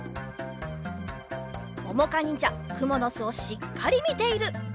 ももかにんじゃくものすをしっかりみている。